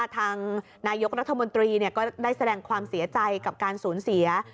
ทางนายกรัฐมนตรีก็ได้แสดงความเสียใจกับการสูญเสีย